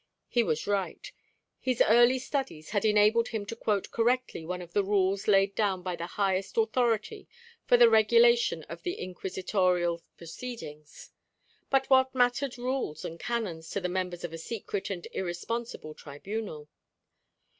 He was right. His early studies had enabled him to quote correctly one of the rules laid down by the highest authority for the regulation of the inquisitorial proceedings. But what mattered rules and canons to the members of a secret and irresponsible tribunal?